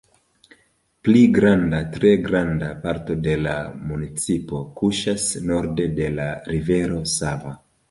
Pli granda, tre granda parto de la municipo kuŝas norde de la Rivero Sava.